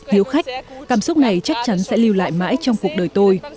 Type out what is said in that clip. hiếu khách cảm xúc này chắc chắn sẽ lưu lại mãi trong cuộc đời tôi